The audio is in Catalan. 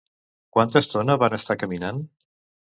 Quanta estona van estar caminant?